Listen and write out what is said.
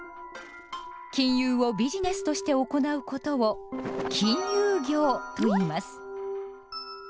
金融をビジネスとして行うことを「金融業」といいます。